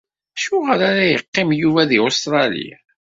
Acuɣer ara yeqqim Yuba deg Ustṛalya?